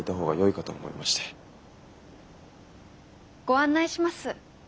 ご案内します。